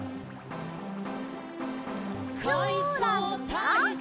「かいそうたいそう」